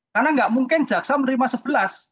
karena nggak mungkin jaksa menerima sebelas